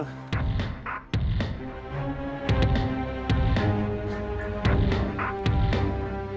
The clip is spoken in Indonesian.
terima kasih bang